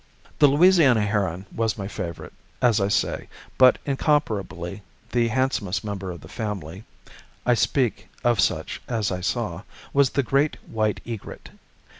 The Louisiana heron was my favorite, as I say, but incomparably the handsomest member of the family (I speak of such as I saw) was the great white egret.